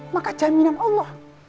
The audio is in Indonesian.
maka jaminan allah